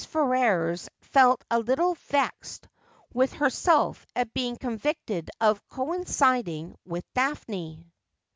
Ferrers felt a little vexed with herself at bein'.^ ennvicled of coinciding with Daphno.